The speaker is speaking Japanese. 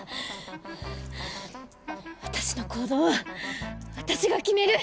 私の行動は私が決める！